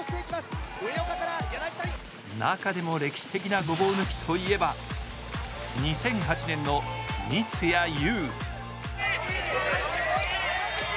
中でも歴史的なごぼう抜きといえば、２００８年の三津谷祐。